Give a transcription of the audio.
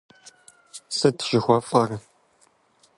Сыт жыхуэфӀэр?